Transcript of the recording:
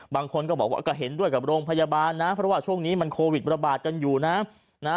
บางคนก็บอกว่าก็เห็นด้วยกับโรงพยาบาลนะเพราะว่าช่วงนี้มันโควิดระบาดกันอยู่นะ